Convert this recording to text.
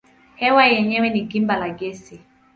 Hewa yenyewe ni gimba la gesi.